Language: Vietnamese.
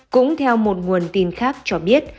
cũng theo một nguồn tin khác cho biết